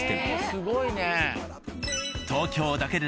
すごいね。